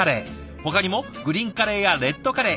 ほかにもグリーンカレーやレッドカレー